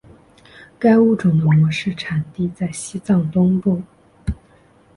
该物种的模式产地在西藏东部。